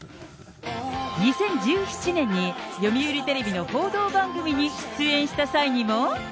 ２０１７年に、読売テレビの報道番組に出演した際にも。